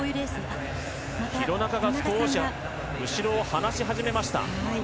廣中が後ろを離し始めました。